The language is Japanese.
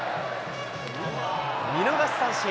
見逃し三振。